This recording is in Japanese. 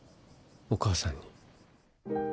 お母さんに。